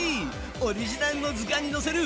オリジナルの図鑑にのせる